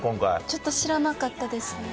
ちょっと知らなかったですね。